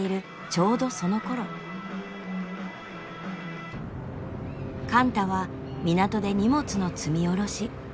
ちょうどそのころ貫多は港で荷物の積み降ろし。